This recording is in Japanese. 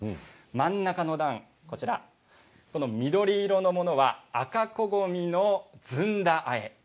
真ん中の段緑色のものは赤こごみの、ずんだあえ